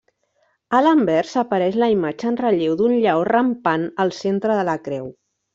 A l'anvers apareix la imatge en relleu d'un lleó rampant al centre de la creu.